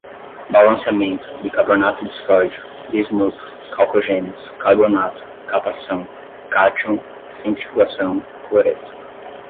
balanceamento, bicarbonato de sódio, bismuto, calcogênios, carbonato, catação, cátion, centrifugação, cloreto